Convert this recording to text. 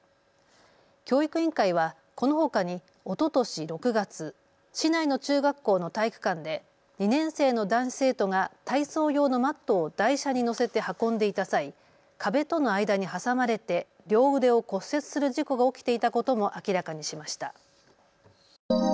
教育委員会はこのほかにおととし６月、市内の中学校の体育館で２年生の男子生徒が体操用のマットを台車に乗せて運んでいた際、壁との間に挟まれて両腕を骨折する事故が起きていたことも明らかにしました。